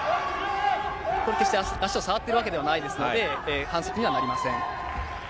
これ、決して足を触っているわけではないですので、反則にはなりません。